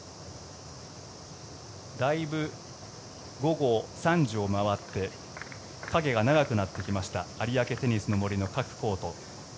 だいぶ午後３時を回って影が長くなってきました有明テニスの森の各コート。